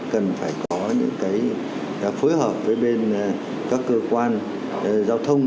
cần phải có những cái phối hợp với bên các cơ quan giao thông